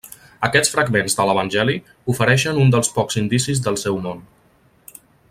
Aquests fragments de l'Evangeli ofereixen un dels pocs indicis del seu món.